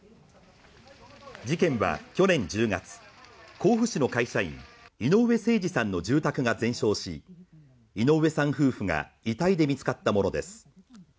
事件は去年１０月、甲府市の会社員、井上盛司さんの住宅が全焼し、井上さん夫婦が遺体で見つかったものです。